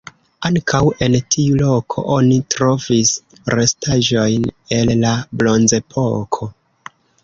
Ankaŭ en tiu loko oni trovis restaĵojn el la bronzepoko.